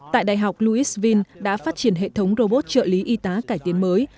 tại đại học louisvil đã phát triển hệ thống robot trợ lý y tá cải tiến mới